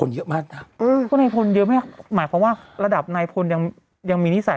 เยอะหมดหมายเพราะว่าระดับไหนผลนี้ยังมีนิสัย